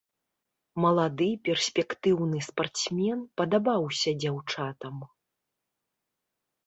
Малады перспектыўны спартсмен падабаўся дзяўчатам.